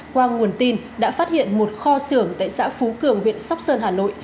qua nguồn tin đã phát hiện một kho xưởng tại xã phú cường huyện sóc sơn hà nội